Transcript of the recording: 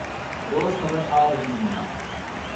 روز خبر آرہی ہونا